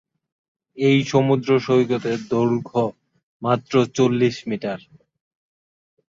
এই সমুদ্র সৈকতের দৈর্ঘ্য মাত্র চল্লিশ মিটার।